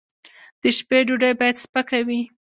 د شپې ډوډۍ باید سپکه وي